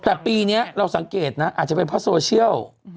แต่ปีนี้เราสังเกตนะอาจจะเป็นเพราะโซเชียล